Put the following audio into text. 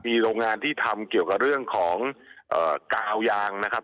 มีโรงงานที่ทำเกี่ยวกับเรื่องของกาวยางนะครับ